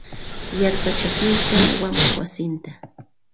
Yarpachakuykan wamaq wasinta.